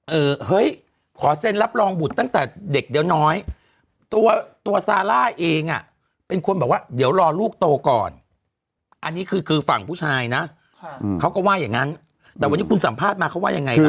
เออเฮ้ยขอเซ็นรับรองบุตรตั้งแต่เด็กเดี๋ยวน้อยตัวตัวซาร่าเองอ่ะเป็นคนบอกว่าเดี๋ยวรอลูกโตก่อนอันนี้คือคือฝั่งผู้ชายนะเขาก็ว่าอย่างนั้นแต่วันนี้คุณสัมภาษณ์มาเขาว่ายังไงคะ